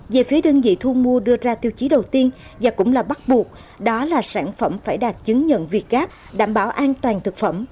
về phía đơn vị thu mua đưa ra tiêu chí đầu tiên và cũng là bắt buộc đó là sản phẩm phải đạt chứng nhận việt gáp đảm bảo an toàn thực phẩm